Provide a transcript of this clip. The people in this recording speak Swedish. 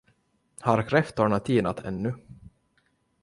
Har kräftorna tinat ännu?